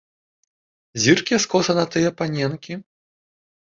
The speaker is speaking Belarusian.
Зірк я скоса на тыя паненкі.